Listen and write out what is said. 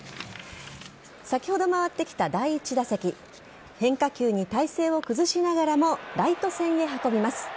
先ほど回ってきた第１打席変化球に体勢を崩しながらもライト線へ運びます。